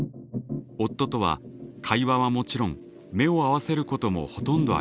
夫とは会話はもちろん目を合わせることもほとんどありません。